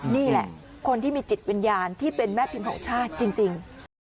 นี่แหละคนที่มีจิตวิญญาณที่เป็นแม่พิมพ์ของชาติจริง